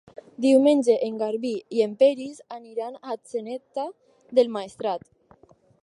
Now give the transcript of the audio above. Diumenge en Garbí i en Peris aniran a Atzeneta del Maestrat.